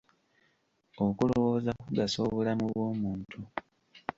Okulowooza kugasa obulamu bw'omuntu?